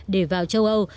để vào châu âu